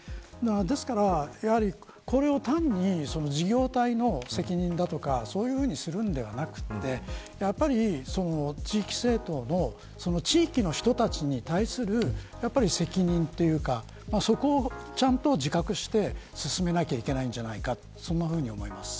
ですから、これを単に事業体の責任だとかそういうふうにするのではなくてやっぱり地域政党のその地域の人たちに対する責任というかそこをちゃんと自覚して進めないといけないんじゃないかそんなふうに思います。